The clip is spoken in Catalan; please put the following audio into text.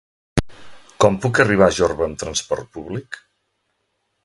Com puc arribar a Jorba amb trasport públic?